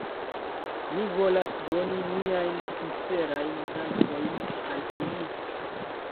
Ni volas doni niajn sincerajn dankojn al ili.